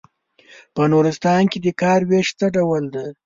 په نورستان کې د کار وېش څه ډول دی.